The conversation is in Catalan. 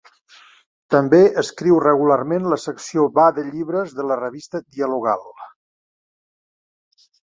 També escriu regularment la secció Va de llibres de la Revista Dialogal.